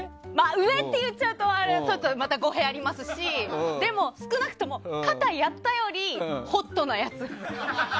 上って言っちゃうとまた語弊がありますしでも、少なくとも肩をやったよりホットなやつ。